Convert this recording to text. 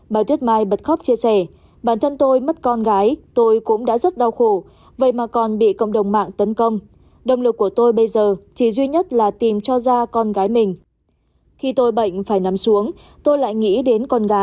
bà tuyết mai bật khóc chia sẻ